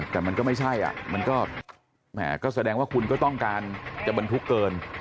แต่มันก็ไม่ใช่มันก็แหมก็แสดงว่าคุณก็ต้องการจะบรรทุกเกิน